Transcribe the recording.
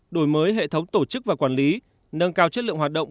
đổi mới hệ thống tổ chức và quản lý nâng cao chất lượng hoạt động